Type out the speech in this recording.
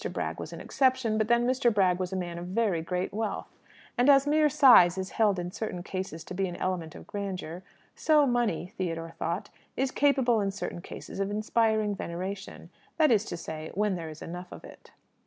Bragg was an exception, but then Mr. Bragg was a man of very great wealth; and as mere size is held in certain cases to be an element of grandeur, so money, Theodore thought, is capable in certain cases of inspiring veneration that is to say, when there is enough of it.